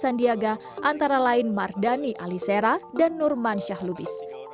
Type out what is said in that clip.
sandiaga antara lain mardani alisera dan nurman syahlubis